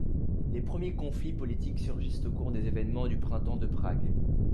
Les premiers conflits politiques surgissent au cours des événements du Printemps de Prague.